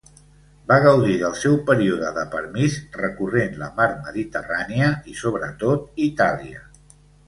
Va gaudir del seu període de permís recorrent la Mar Mediterrània, i sobretot Itàlia.